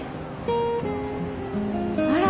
あら。